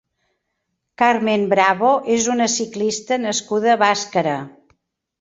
Carmen Bravo és una ciclista nascuda a Bàscara.